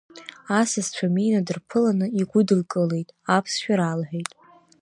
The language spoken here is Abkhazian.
Асасцәа Мина дырԥыланы, игәыдылкылеит, аԥсшәа ралҳәеит.